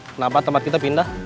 kenapa tempat kita pindah